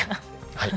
はい。